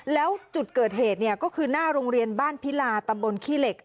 แล้วจุดเกิดเหตุเนี่ยก็คือหน้าโรงเรียนบ้านพิลาตำบลขี้เหล็ก